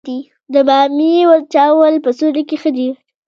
د بامیې وچول په سیوري کې ښه دي؟